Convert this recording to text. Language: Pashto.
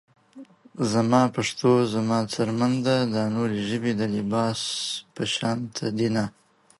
زما پښتو زما څرمن ده دا نورې ژبې د لباس پشانته دينه